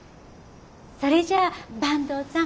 それじゃあ坂東さん